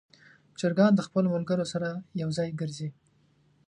چرګان د خپلو ملګرو سره یو ځای ګرځي.